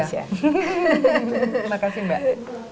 terima kasih mbak